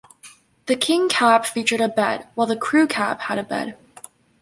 The King Cab featured a bed, while the crew cab had a bed.